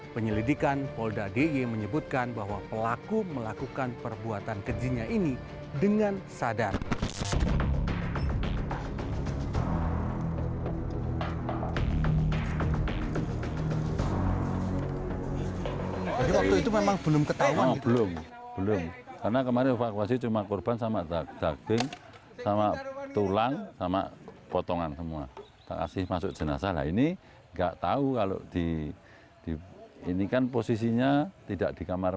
penyelidikan polda di menyebutkan bahwa pelaku melakukan perbuatan kejinya ini dengan sadar